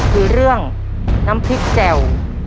คือเรื่องน้ำพริกแจ่ว